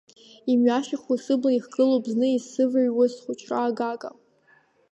Имҩашьахуа сыбла ихгылоуп, зны исываҩуаз схәыҷра агага.